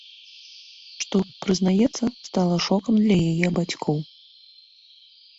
Што, прызнаецца, стала шокам для яе бацькоў.